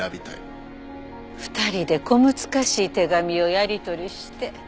２人で小難しい手紙をやり取りして。